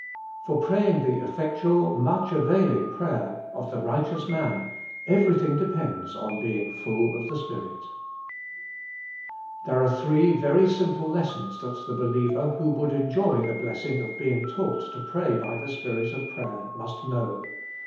For praying the effectual, much availing prayer of 118 THE MINISTRY OF INTERCESSION the righteous man everything depends on being full of the Spirit. There are three very simple lessons that the believer, who would enjoy the blessing of being taught to pray by the Spirit of prayer, must know.